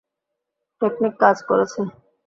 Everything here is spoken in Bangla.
টেকনিক কাজ করেছে।